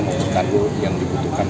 mobil kargo yang dikumpulkan